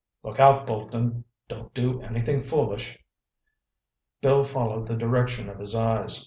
"Look out, Bolton! Don't do anything foolish!" Bill followed the direction of his eyes.